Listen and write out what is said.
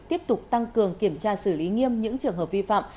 tiếp tục tăng cường kiểm tra xử lý nghiêm những trường hợp vi phạm